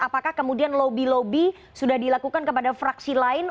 apakah kemudian lobby lobby sudah dilakukan kepada fraksi lain